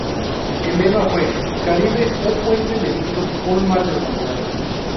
El lema fue "Caribe, un puente de libros, un mar de humanidad".